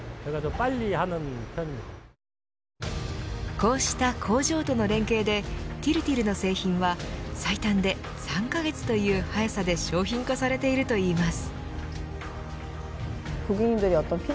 こうした工場との連携でＴＩＲＴＩＲの製品は最短で３カ月という早さで商品化されているといいます。